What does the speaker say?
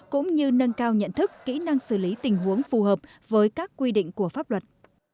cũng như nâng cao nhận thức kỹ năng xử lý tình huống phù hợp với các quy định của pháp luật